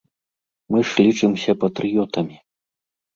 Мы ж лічымся патрыётамі.